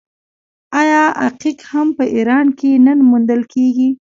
آیا عقیق هم په ایران کې نه موندل کیږي؟